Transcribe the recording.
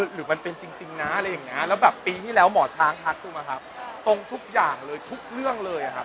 หรือว่าเป็นจริงนะแล้วปีที่แล้วหมอช้างทักตรงทุกเรื่องเลย